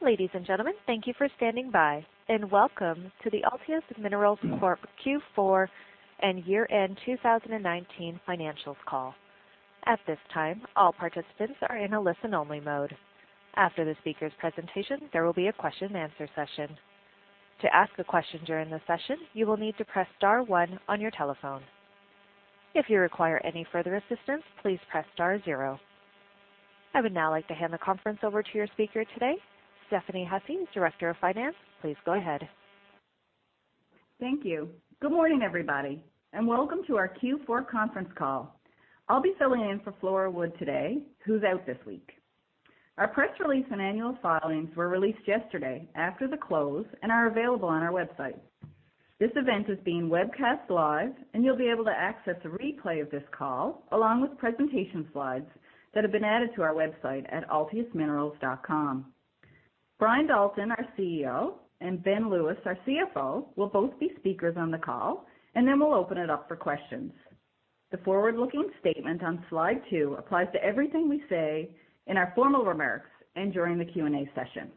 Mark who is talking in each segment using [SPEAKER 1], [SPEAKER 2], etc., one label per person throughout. [SPEAKER 1] Ladies and gentlemen, thank you for standing by, and welcome to the Altius Minerals Corporation Q4 and Year-End 2019 Financials Call. At this time, all participants are in a listen-only mode. After the speakers' presentation, there will be a question-and-answer session. To ask a question during the session, you will need to press star one on your telephone. If you require any further assistance, please press star zero. I would now like to hand the conference over to your speaker today, Stephanie Hussey, Director of Finance. Please go ahead.
[SPEAKER 2] Thank you. Good morning, everybody, and welcome to our Q4 Conference Call. I'll be filling in for Flora Wood today, who's out this week. Our press release and annual filings were released yesterday after the close and are available on our website. This event is being webcast live, and you'll be able to access a replay of this call, along with presentation slides that have been added to our website at altiusminerals.com. Brian Dalton, our CEO, and Ben Lewis, our CFO, will both be speakers on the call, and then we'll open it up for questions. The forward-looking statement on slide two applies to everything we say in our formal remarks and during the Q&A session.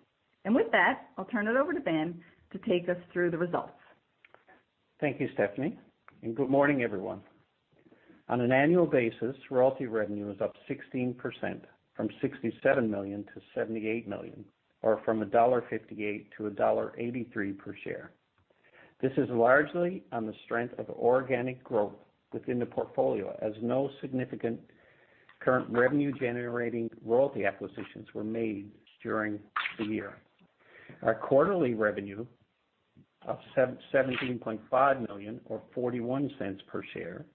[SPEAKER 2] With that, I'll turn it over to Ben to take us through the results.
[SPEAKER 3] Thank you, Stephanie, and good morning, everyone. On an annual basis, royalty revenue is up 16%, from 67 million to 78 million, or from dollar 1.58 to dollar 1.83 per share. This is largely on the strength of organic growth within the portfolio, as no significant current revenue-generating royalty acquisitions were made during the year. Our quarterly revenue of 17.5 million, or 0.41 per share,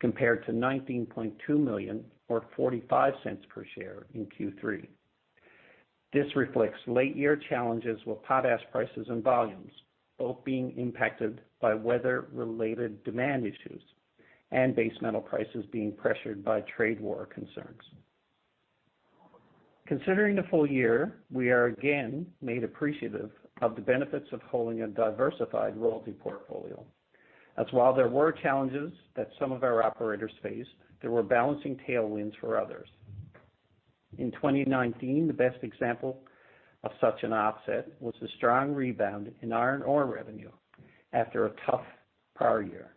[SPEAKER 3] compared to 19.2 million or 0.45 per share in Q3. This reflects late-year challenges with potash prices and volumes, both being impacted by weather-related demand issues and base metals prices being pressured by trade war concerns. Considering the full year, we are again made appreciative of the benefits of holding a diversified royalty portfolio, as while there were challenges that some of our operators faced, there were balancing tailwinds for others. In 2019, the best example of such an offset was the strong rebound in iron ore revenue after a tough prior year.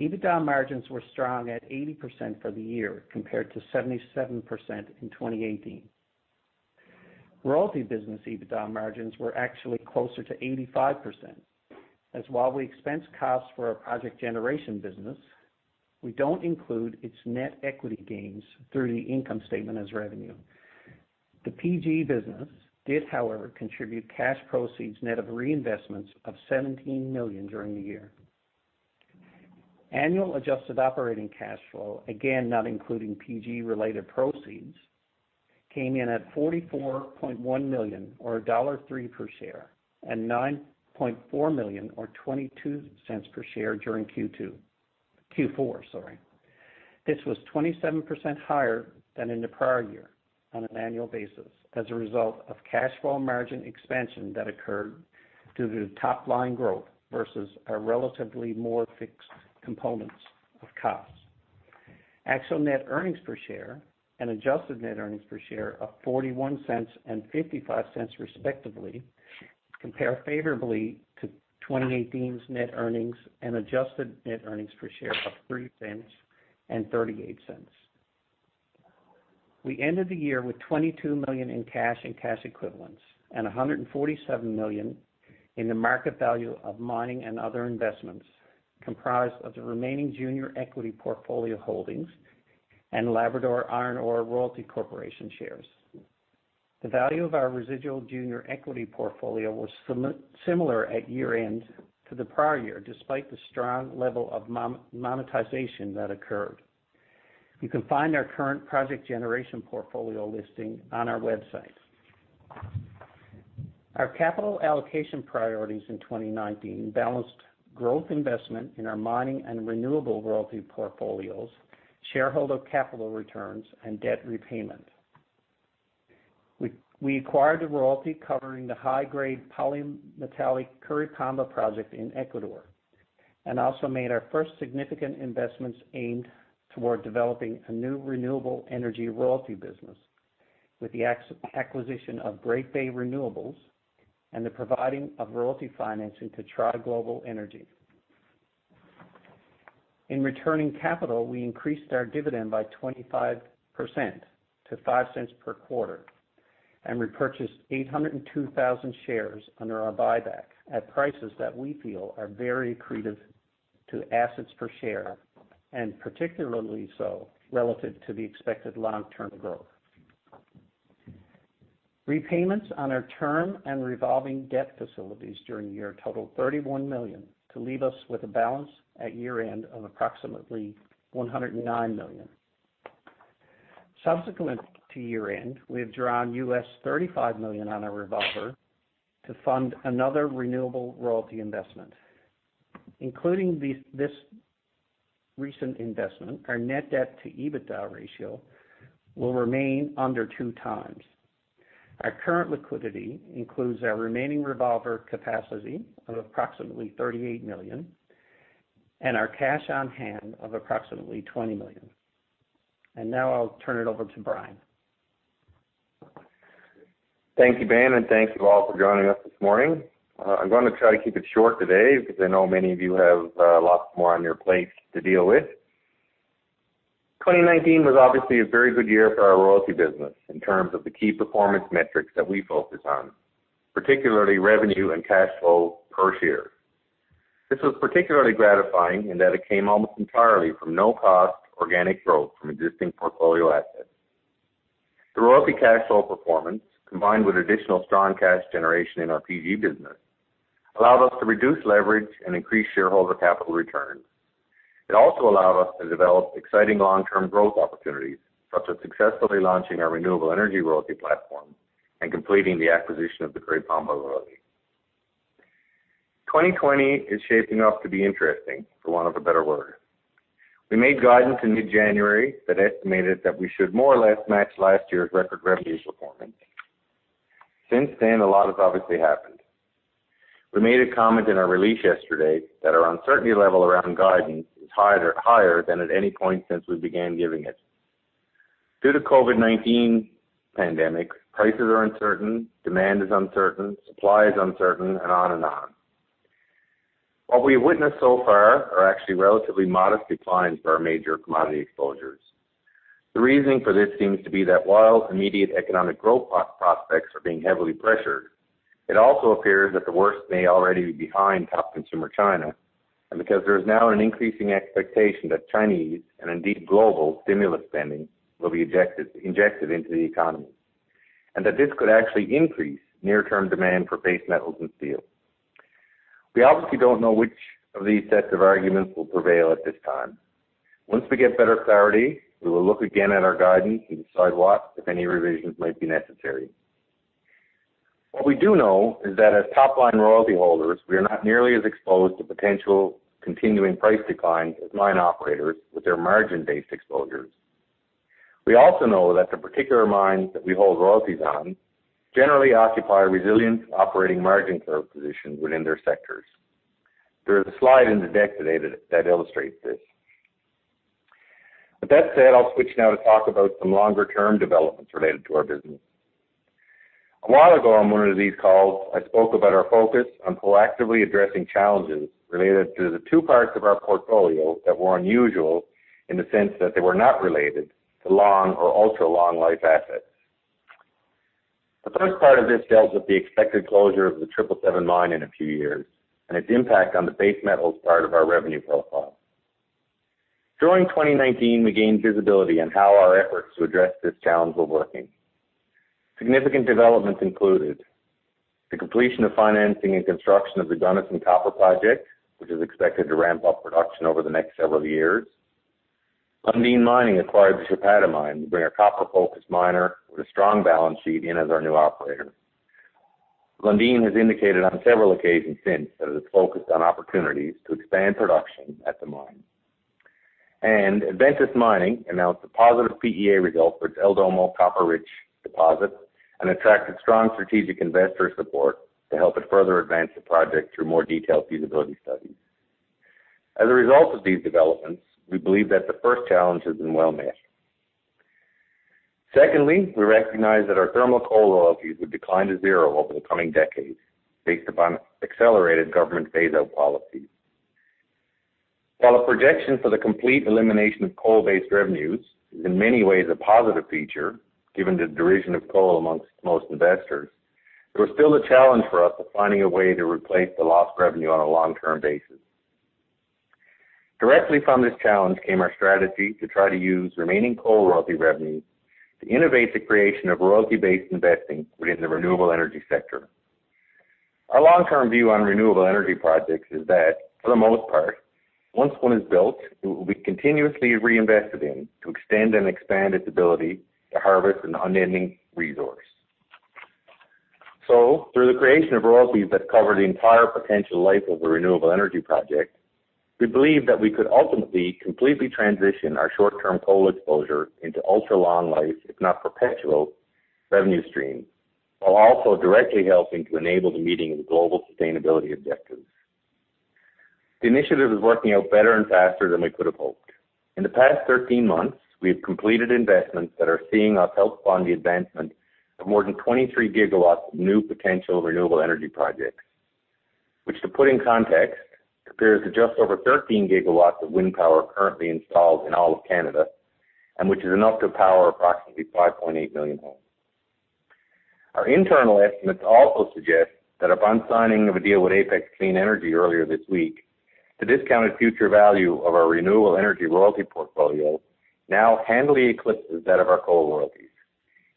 [SPEAKER 3] EBITDA margins were strong at 80% for the year, compared to 77% in 2018. Royalty business EBITDA margins were actually closer to 85%, as while we expense costs for our project generation business, we don't include its net equity gains through the income statement as revenue. The PG business did, however, contribute cash proceeds net of reinvestments of 17 million during the year. Annual adjusted operating cash flow, again, not including PG-related proceeds, came in at 44.1 million or dollar 1.03 per share and 9.4 million or 0.22 per share during Q4. This was 27% higher than in the prior year on an annual basis as a result of cash flow margin expansion that occurred due to top-line growth versus our relatively more fixed components of costs. Actual net earnings per share and adjusted net earnings per share of 0.41 and 0.55, respectively, compare favorably to 2018's net earnings and adjusted net earnings per share of 0.03 and 0.38. We ended the year with 22 million in cash and cash equivalents and 147 million in the market value of mining and other investments, comprised of the remaining junior equity portfolio holdings and Labrador Iron Ore Royalty Corporation shares. The value of our residual junior equity portfolio was similar at year-end to the prior year, despite the strong level of monetization that occurred. You can find our current project generation portfolio listing on our website. Our capital allocation priorities in 2019 balanced growth investment in our mining and renewable royalty portfolios, shareholder capital returns, and debt repayment. We acquired a royalty covering the high-grade polymetallic Curipamba project in Ecuador and also made our first significant investments aimed toward developing a new renewable energy royalty business with the acquisition of Great Bay Renewables and the providing of royalty financing to Tri Global Energy. In returning capital, we increased our dividend by 25% to 0.05 per quarter and repurchased 802,000 shares under our buyback at prices that we feel are very accretive to assets per share, and particularly so relative to the expected long-term growth. Repayments on our term and revolving debt facilities during the year totaled 31 million, to leave us with a balance at year-end of approximately 109 million. Subsequent to year-end, we have drawn $35 million on our revolver to fund another renewable royalty investment. Including this recent investment, our net debt to EBITDA ratio will remain under two times. Our current liquidity includes our remaining revolver capacity of approximately 38 million and our cash on hand of approximately 20 million. Now I'll turn it over to Brian.
[SPEAKER 4] Thank you, Ben, and thank you all for joining us this morning. I'm going to try to keep it short today because I know many of you have lots more on your plates to deal with. 2019 was obviously a very good year for our royalty business in terms of the key performance metrics that we focus on, particularly revenue and cash flow per share. This was particularly gratifying in that it came almost entirely from no-cost organic growth from existing portfolio assets. The royalty cash flow performance, combined with additional strong cash generation in our PG business, allowed us to reduce leverage and increase shareholder capital returns. It also allowed us to develop exciting long-term growth opportunities, such as successfully launching our renewable energy royalty platform and completing the acquisition of the Great Bay royalty. 2020 is shaping up to be interesting, for want of a better word. We made guidance in mid-January that estimated that we should more or less match last year's record revenue performance. Since then, a lot has obviously happened. We made a comment in our release yesterday that our uncertainty level around guidance is higher than at any point since we began giving it. Due to COVID-19 pandemic, prices are uncertain, demand is uncertain, supply is uncertain, and on and on. What we have witnessed so far are actually relatively modest declines for our major commodity exposures. The reasoning for this seems to be that while immediate economic growth prospects are being heavily pressured, it also appears that the worst may already be behind top consumer China, and because there is now an increasing expectation that Chinese and indeed global stimulus spending will be injected into the economy, and that this could actually increase near-term demand for base metals and steel. We obviously don't know which of these sets of arguments will prevail at this time. Once we get better clarity, we will look again at our guidance and decide what, if any, revisions might be necessary. What we do know is that as top-line royalty holders, we are not nearly as exposed to potential continuing price declines as mine operators with their margin-based exposures. We also know that the particular mines that we hold royalties on generally occupy resilient operating margin curve positions within their sectors. There is a slide in the deck today that illustrates this. With that said, I'll switch now to talk about some longer-term developments related to our business. A while ago on one of these calls, I spoke about our focus on proactively addressing challenges related to the two parts of our portfolio that were unusual in the sense that they were not related to long or ultra-long life assets. The first part of this deals with the expected closure of the 777 mine in a few years and its impact on the base metals part of our revenue profile. During 2019, we gained visibility on how our efforts to address this challenge were working. Significant developments included the completion of financing and construction of the Gunnison Copper Project, which is expected to ramp up production over the next several years. Lundin Mining acquired the Chapada mine to bring a copper-focused miner with a strong balance sheet in as our new operator. Lundin has indicated on several occasions since that it is focused on opportunities to expand production at the mine. Adventus Mining announced a positive PEA result for its El Domo copper-rich deposit and attracted strong strategic investor support to help it further advance the project through more detailed feasibility studies. As a result of these developments, we believe that the first challenge has been well managed. Secondly, we recognize that our thermal coal royalties would decline to zero over the coming decade based upon accelerated government phase-out policies. While a projection for the complete elimination of coal-based revenues is in many ways a positive feature, given the derision of coal amongst most investors, it was still a challenge for us of finding a way to replace the lost revenue on a long-term basis. Directly from this challenge came our strategy to try to use remaining coal royalty revenues to innovate the creation of royalty-based investing within the renewable energy sector. Our long-term view on renewable energy projects is that, for the most part, once one is built, it will be continuously reinvested in to extend and expand its ability to harvest an unending resource. Through the creation of royalties that cover the entire potential life of a renewable energy project, we believe that we could ultimately completely transition our short-term coal exposure into ultra-long life, if not perpetual, revenue streams, while also directly helping to enable the meeting of global sustainability objectives. The initiative is working out better and faster than we could have hoped. In the past 13 months, we have completed investments that are seeing us help fund the advancement of more than 23 gigawatts of new potential renewable energy projects, which, to put in context, compares to just over 13 gigawatts of wind power currently installed in all of Canada, and which is enough to power approximately 5.8 million homes. Our internal estimates also suggest that upon signing of a deal with Apex Clean Energy earlier this week, the discounted future value of our renewable energy royalty portfolio now handily eclipses that of our coal royalties,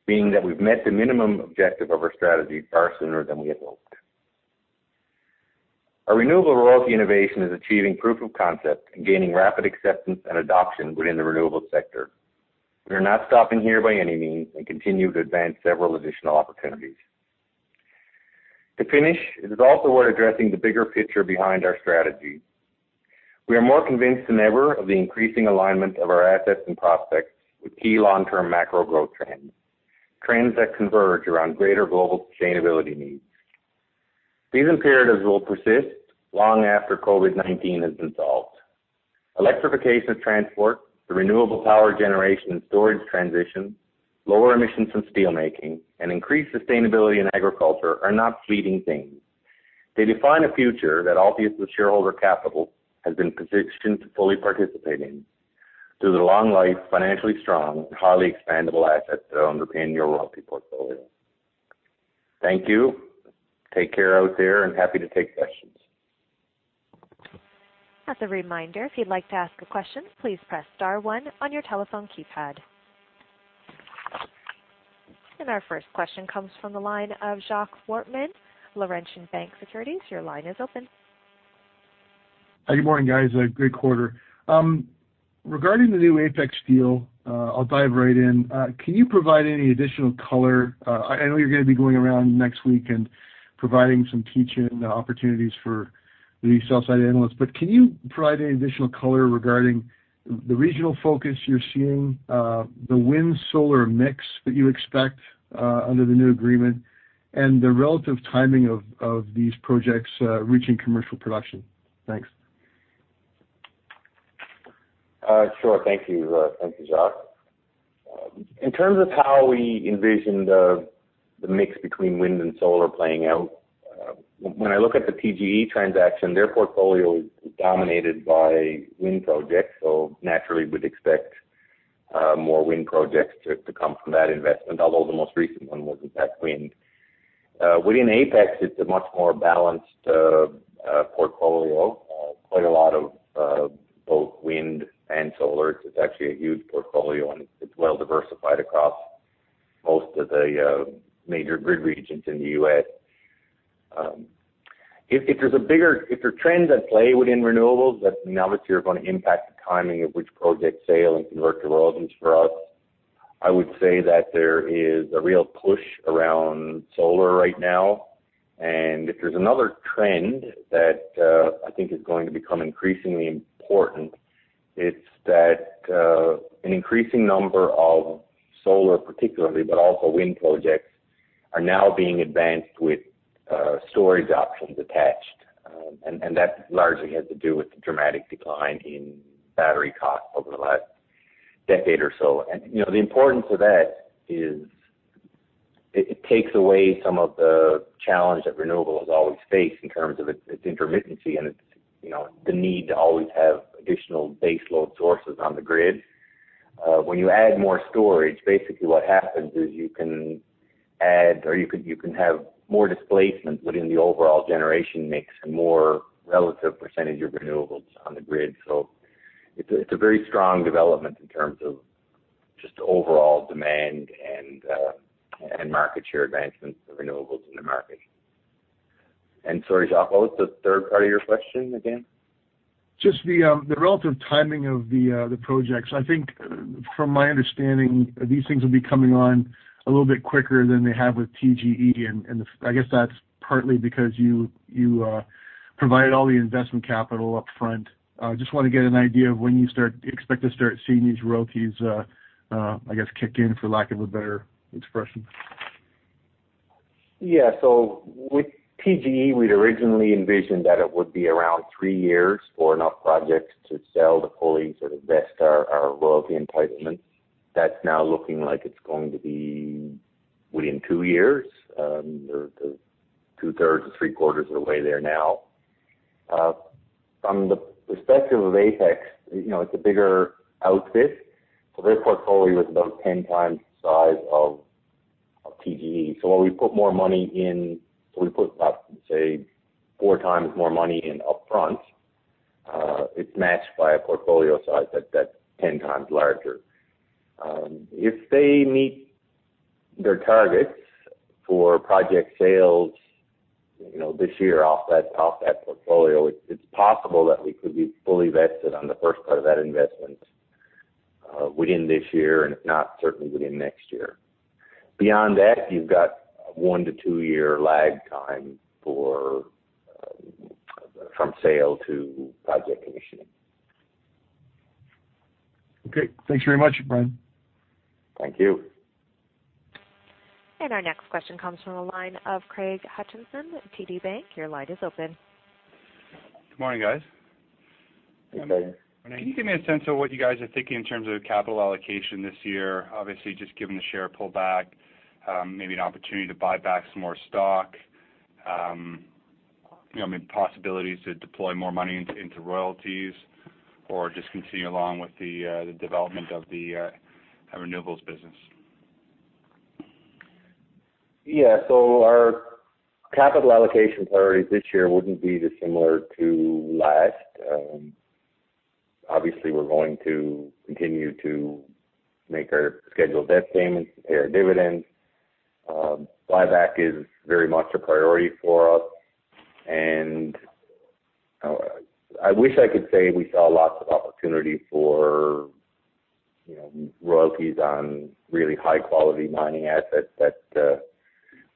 [SPEAKER 4] meaning that we've met the minimum objective of our strategy far sooner than we had hoped. Our renewable royalty innovation is achieving proof of concept and gaining rapid acceptance and adoption within the renewable sector. We are not stopping here by any means and continue to advance several additional opportunities. To finish, it is also worth addressing the bigger picture behind our strategy. We are more convinced than ever of the increasing alignment of our assets and prospects with key long-term macro growth trends that converge around greater global sustainability needs. These imperatives will persist long after COVID-19 has been solved. Electrification of transport, the renewable power generation and storage transition, lower emissions in steel making, and increased sustainability in agriculture are not fleeting things. They define a future that Altius' shareholder capital has been positioned to fully participate in through the long life, financially strong, and highly expandable assets that underpin your royalty portfolio. Thank you. Take care out there, and happy to take questions.
[SPEAKER 1] As a reminder, if you'd like to ask a question, please press star one on your telephone keypad. Our first question comes from the line of Jacques Wortman, Laurentian Bank Securities, your line is open.
[SPEAKER 5] Good morning, guys. Great quarter. Regarding the new Apex deal, I'll dive right in. Can you provide any additional color? I know you're going to be going around next week and providing some teaching opportunities for the sell-side analysts. Can you provide any additional color regarding the regional focus you're seeing, the wind-solar mix that you expect under the new agreement, and the relative timing of these projects reaching commercial production? Thanks.
[SPEAKER 4] Sure. Thank you. Thank you, Jacques. In terms of how we envision the mix between wind and solar playing out, when I look at the TGE transaction, their portfolio is dominated by wind projects, so naturally we'd expect more wind projects to come from that investment, although the most recent one was, in fact, wind. Within Apex, it's a much more balanced portfolio. Quite a lot of both wind and solar. It's actually a huge portfolio, and it's well diversified across most of the major grid regions in the U.S. If there are trends at play within renewables that now that you're going to impact the timing of which projects sale and convert to royalties for us, I would say that there is a real push around solar right now. If there's another trend that I think is going to become increasingly important, it's that an increasing number of solar particularly, but also wind projects, are now being advanced with storage options attached. That largely has to do with the dramatic decline in battery costs over the last decade or so. The importance of that is it takes away some of the challenge that renewables always face in terms of its intermittency and the need to always have additional base load sources on the grid. When you add more storage, basically what happens is you can add or you can have more displacement within the overall generation mix and more relative percentage of renewables on the grid. It's a very strong development in terms of just overall demand and market share advancements of renewables in the market. Sorry, Jacques, what was the third part of your question again?
[SPEAKER 5] Just the relative timing of the projects. I think from my understanding, these things will be coming on a little bit quicker than they have with TGE, and I guess that is partly because you provided all the investment capital up front. Just want to get an idea of when you expect to start seeing these royalties, I guess, kick in, for lack of a better expression.
[SPEAKER 4] Yeah. With TGE, we'd originally envisioned that it would be around three years for enough projects to sell to fully sort of vest our royalty entitlements. That's now looking like it's going to be within two years. They're two-thirds or three-quarters of the way there now. From the perspective of Apex, it's a bigger outfit. Their portfolio is about 10 times the size of TGE. While we put about, say, 4x more money in upfront, it's matched by a portfolio size that's 10 times larger. If they meet their targets for project sales this year off that portfolio, it's possible that we could be fully vested on the first part of that investment within this year, if not, certainly within next year. Beyond that, you've got a one to two-year lag time from sale to project commissioning.
[SPEAKER 5] Okay. Thanks very much, Brian.
[SPEAKER 4] Thank you.
[SPEAKER 1] Our next question comes from the line of Craig Hutchison, TD Cowen. Your line is open.
[SPEAKER 6] Good morning, guys.
[SPEAKER 4] Hey, Craig.
[SPEAKER 6] Can you give me a sense of what you guys are thinking in terms of capital allocation this year? Obviously, just given the share pullback, maybe an opportunity to buy back some more stock? Possibilities to deploy more money into royalties or just continue along with the development of the renewables business?
[SPEAKER 4] Yeah. Our capital allocation priorities this year wouldn't be dissimilar to last. Obviously, we're going to continue to make our scheduled debt payments and pay our dividends. Buyback is very much a priority for us. I wish I could say we saw lots of opportunity for royalties on really high-quality mining assets that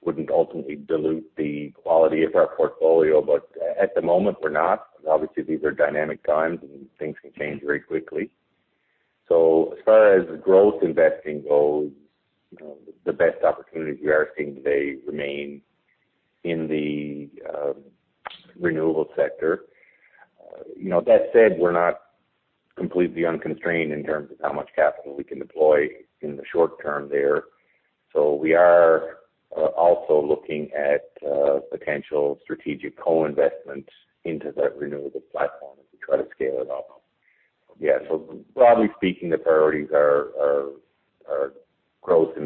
[SPEAKER 4] wouldn't ultimately dilute the quality of our portfolio. At the moment we're not. Obviously, these are dynamic times, and things can change very quickly. As far as growth investing goes, the best opportunities we are seeing today remain in the renewable sector. That said, we're not completely unconstrained in terms of how much capital we can deploy in the short term there. We are also looking at potential strategic co-investments into that renewable platform as we try to scale it up. Yeah. Broadly speaking, the priorities are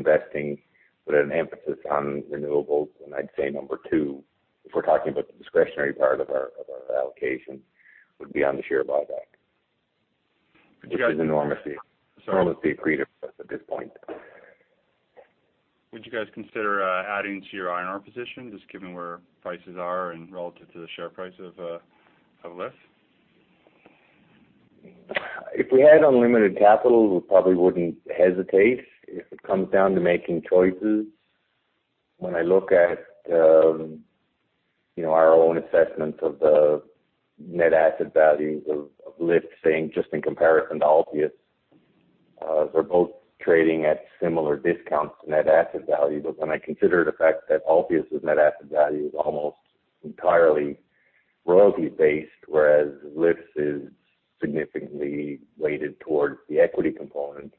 [SPEAKER 4] growth investing with an emphasis on renewables. I'd say number two, if we're talking about the discretionary part of our allocation, would be on the share buyback enormously accretive to us at this point.
[SPEAKER 6] Would you guys consider adding to your LIORC position, just given where prices are and relative to the share price of LIF?
[SPEAKER 4] If we had unlimited capital, we probably wouldn't hesitate. If it comes down to making choices, when I look at our own assessment of the net asset value of LIF, saying just in comparison to Altius, they're both trading at similar discounts to net asset value. When I consider the fact that Altius' net asset value is almost entirely royalty-based, whereas LIF is significantly weighted towards the equity component,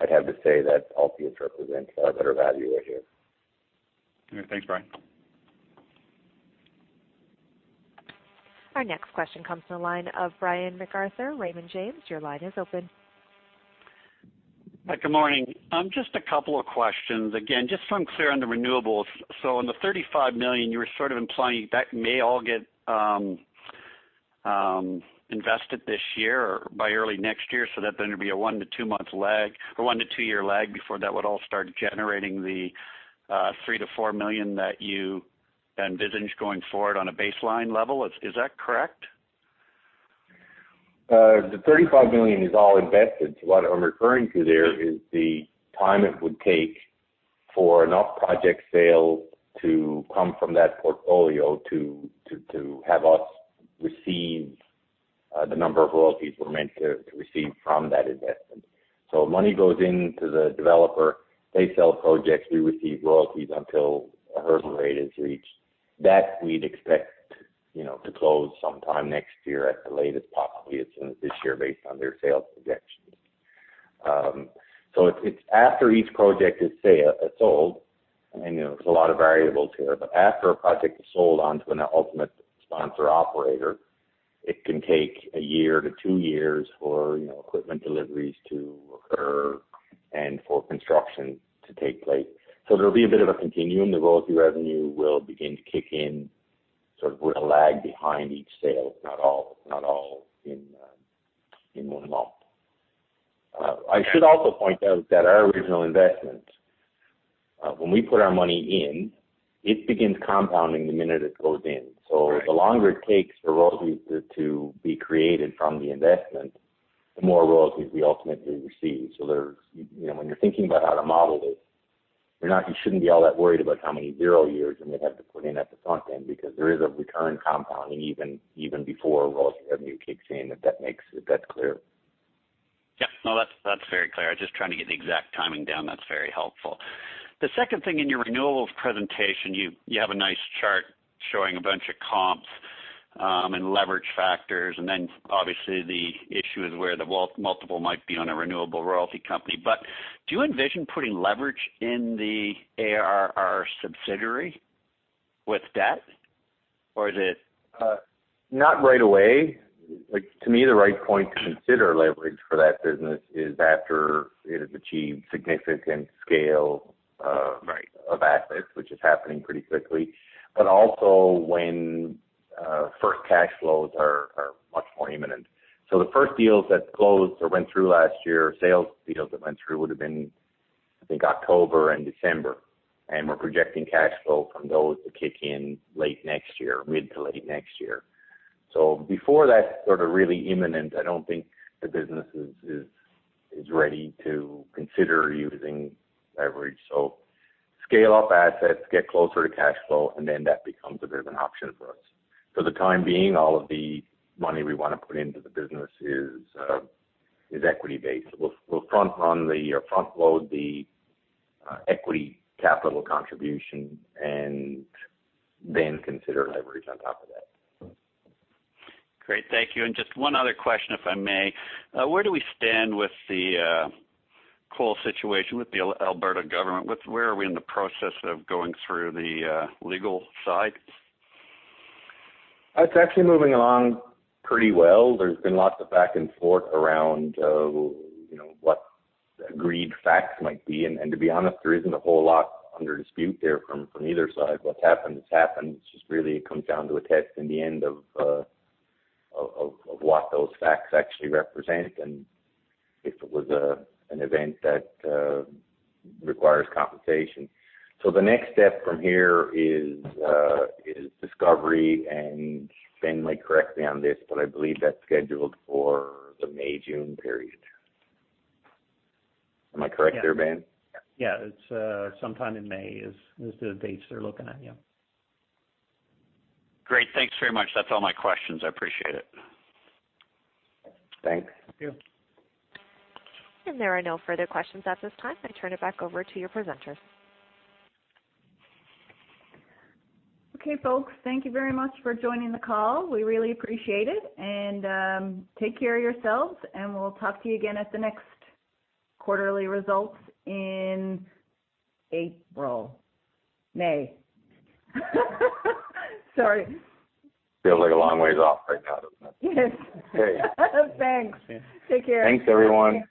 [SPEAKER 4] I'd have to say that Altius represents a better value right here.
[SPEAKER 6] Okay, thanks, Brian.
[SPEAKER 1] Our next question comes to the line of Brian MacArthur, Raymond James. Your line is open.
[SPEAKER 7] Hi, good morning. Just a couple of questions. Again, just so I am clear on the renewables. On the $35 million, you were sort of implying that may all get invested this year or by early next year so that then there will be a one to two-year lag before that would all start generating the $3 million-$4 million that you envisage going forward on a baseline level. Is that correct?
[SPEAKER 4] The $35 million is all invested. What I'm referring to there is the time it would take for enough project sales to come from that portfolio to have us receive the number of royalties we're meant to receive from that investment. Money goes into the developer, they sell projects, we receive royalties until a hurdle rate is reached. That we'd expect to close sometime next year at the latest. Possibly as soon as this year based on their sales projections. It's after each project is sold, and there's a lot of variables here. After a project is sold onto an ultimate sponsor operator, it can take one year to two years for equipment deliveries to occur and for construction to take place. There'll be a bit of a continuum. The royalty revenue will begin to kick in sort of with a lag behind each sale. Not all in one month. I should also point out that our original investment, when we put our money in, it begins compounding the minute it goes in. The longer it takes for royalties to be created from the investment, the more royalties we ultimately receive. When you're thinking about how to model it, you shouldn't be all that worried about how many zero years you may have to put in at the front end, because there is a return compounding even before royalty revenue kicks in, if that's clear.
[SPEAKER 7] Yeah. No, that's very clear. I was just trying to get the exact timing down. That's very helpful. The second thing, in your renewables presentation, you have a nice chart showing a bunch of comps, and leverage factors, and then obviously the issue is where the multiple might be on a renewable royalty company. Do you envision putting leverage in the ARR subsidiary with debt, or is it?
[SPEAKER 4] Not right away. To me, the right point to consider leverage for that business is after it has achieved significant scale of assets, which is happening pretty quickly, but also when first cash flows are much more imminent. The first deals that closed or went through last year, sales deals that went through, would've been, I think, October and December. We're projecting cash flow from those to kick in mid to late next year. Before that's sort of really imminent, I don't think the business is ready to consider using leverage. Scale up assets, get closer to cash flow, and then that becomes a bit of an option for us. For the time being, all of the money we want to put into the business is equity-based. We'll front load the equity capital contribution and then consider leverage on top of that.
[SPEAKER 7] Great, thank you. Just one other question, if I may. Where do we stand with the coal situation with the Alberta government? Where are we in the process of going through the legal side?
[SPEAKER 4] It's actually moving along pretty well. There's been lots of back and forth around what the agreed facts might be. To be honest, there isn't a whole lot under dispute there from either side. What's happened has happened. It just really comes down to a test in the end of what those facts actually represent and if it was an event that requires compensation. The next step from here is discovery, and Ben might correct me on this, but I believe that's scheduled for the May-June period. Am I correct there, Ben?
[SPEAKER 3] Yeah. It's sometime in May is the dates they're looking at, yeah.
[SPEAKER 7] Great. Thanks very much. That's all my questions. I appreciate it.
[SPEAKER 4] Thanks.
[SPEAKER 3] Thank you.
[SPEAKER 1] There are no further questions at this time. I turn it back over to your presenters.
[SPEAKER 2] Okay, folks. Thank you very much for joining the call. We really appreciate it, and take care of yourselves, and we'll talk to you again at the next quarterly results in April. May. Sorry.
[SPEAKER 4] Feels like a long ways off right now, doesn't it?
[SPEAKER 2] Yes. Thanks. Take care.
[SPEAKER 4] Thanks, everyone. All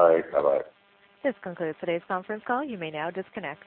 [SPEAKER 4] right. Bye-bye.
[SPEAKER 1] This concludes today's conference call. You may now disconnect.